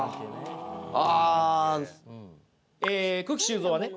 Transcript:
九鬼周造はね